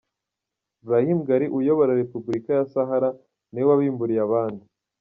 : Brahim Ghali uyobora Repubulika ya Sahara niwe wabimburiye abandi.